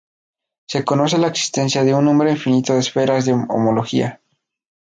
Se conoce la existencia de un número infinito de esferas de homología.